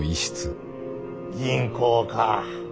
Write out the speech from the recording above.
銀行かぁ。